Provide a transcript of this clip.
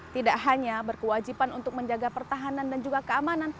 tidak hanya berkewajiban untuk menjaga pertahanan dan juga keamanan